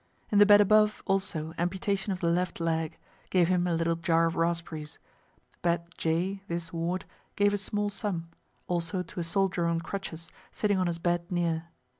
In the bed above, also, amputation of the left leg; gave him a little jar of raspberries; bed J, this ward, gave a small sum; also to a soldier on crutches, sitting on his bed near....